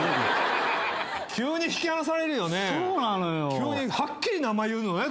急にはっきり名前言うのね動物の。